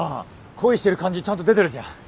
恋してる感じちゃんと出てるじゃん！